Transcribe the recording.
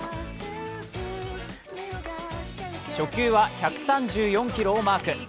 初球は１３４キロをマーク。